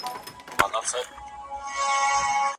موږ بايد خپلواک او اباد افغانستان ولرو.